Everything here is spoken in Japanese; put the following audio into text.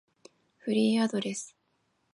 フリーアドレス